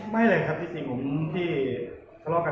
พี่ผันครั้งนี้มีทิ้งบางคนครับ